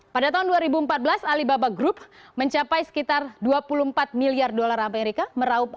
pada tahun dua ribu empat belas alibaba group mencapai sekitar dua puluh empat miliar dolar amerika